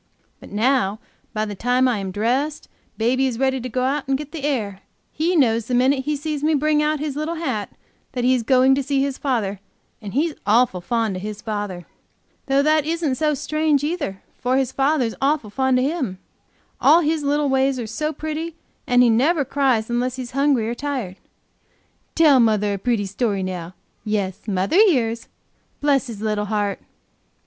But now by the time I am dressed, baby is ready to go out to get the air; he knows the minute he sees me bring out his little hat that he is going to see his father and he's awful fond of his father. Though that isn't so strange, either, for his father's awful fond of him. All his little ways are so pretty, and he never cries unless he's hungry or tired. Tell mother a pretty story now; yes, mother hears, bless his little heart!"